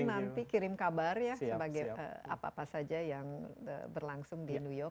nanti kirim kabar ya sebagai apa apa saja yang berlangsung di new york